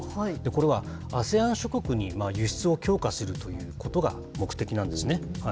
これはアセアン諸国に輸出を強化するということが目的なんですね。